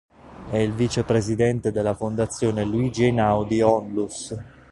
È il vicepresidente della Fondazione Luigi Einaudi Onlus.